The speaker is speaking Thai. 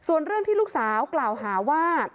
ส่วนเรื่องที่ลูกสาวกล่าวหาว่า